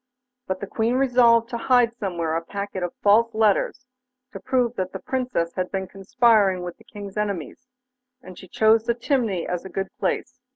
But the Queen resolved to hide somewhere a packet of false letters to prove that the Princess had been conspiring with the King's enemies, and she chose the chimney as a good place.